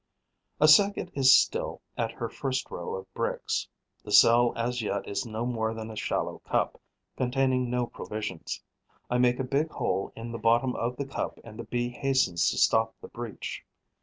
A second is still at her first row of bricks. The cell as yet is no more than a shallow cup, containing no provisions. I make a big hole in the bottom of the cup and the Bee hastens to stop the breach.